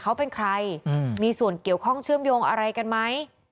เขาเป็นใครมีส่วนเกี่ยวข้องเชื่อมโยงอะไรกันไหม